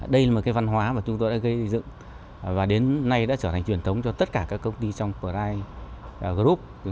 đây là một cái văn hóa mà chúng tôi đã gây dựng và đến nay đã trở thành truyền thống cho tất cả các công ty trong bri group